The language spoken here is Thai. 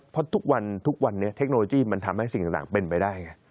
เพราะทุกวันทุกวันนี้เทคโนโลยีมันทำให้สิ่งต่างเป็นไปได้ไง